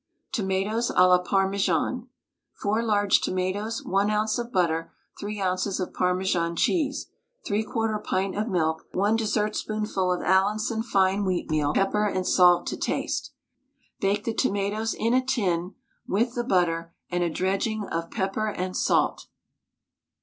TOMATOES À LA PARMESAN. 4 large tomatoes, 1 oz. of butter, 3 oz. of Parmesan cheese, 3/4 pint of milk, 1 dessertspoonful of Allinson fine wheatmeal, pepper and salt to taste. Bake the tomatoes in a tin with the butter and a dredging of pepper and salt.